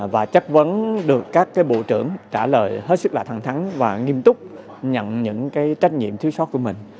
và chất vấn được các bộ trưởng trả lời hết sức là thẳng thắng và nghiêm túc nhận những trách nhiệm thiếu sót của mình